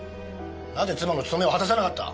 なぜ妻の務めを果たさなかった？